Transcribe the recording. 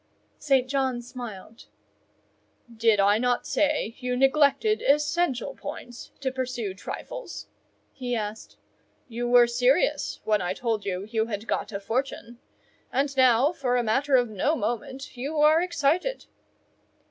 St. John smiled. "Did I not say you neglected essential points to pursue trifles?" he asked. "You were serious when I told you you had got a fortune; and now, for a matter of no moment, you are excited."